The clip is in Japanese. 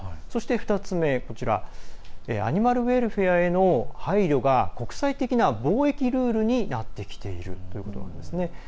そして２つ目アニマルウェルフェアへの配慮が国際的な貿易ルールになってきているということなんですね。